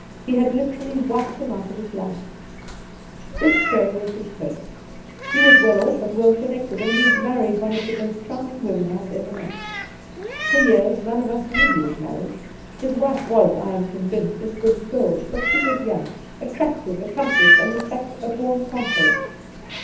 He had literally wiped him out of his life I * This trait was his curse. He was well off and well connected, and he married one of the most eharming women I have ever met. For years none of us knew he was married. His wife was, I am convinced, as good as gold ; but she was young, 32 The Outspan attractive, accomplished, and, in fact, a born con queror.